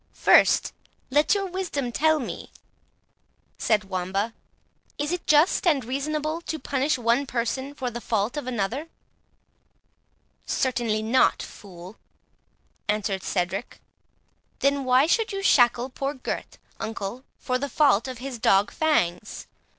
"First let your wisdom tell me," said Wamba, "is it just and reasonable to punish one person for the fault of another?" "Certainly not, fool," answered Cedric. "Then why should you shackle poor Gurth, uncle, for the fault of his dog Fangs?